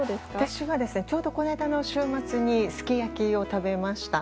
ちょうどこの間週末にすき焼きを食べました。